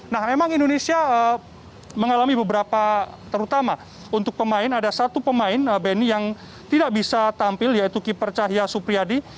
nah memang indonesia mengalami beberapa terutama untuk pemain ada satu pemain bni yang tidak bisa tampil yaitu keeper cahya supriyadi